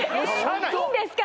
えっいいんですか？